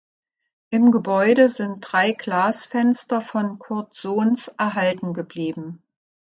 Im Gebäude sind drei Glasfenster von Kurt Sohns erhalten geblieben.